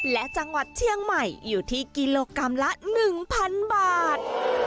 และจังหวัดเชียงใหม่อยู่ที่กิโลกรัมละ๑๐๐๐บาท